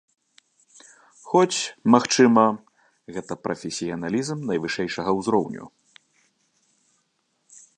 Хоць, магчыма, гэта прафесіяналізм найвышэйшага ўзроўню.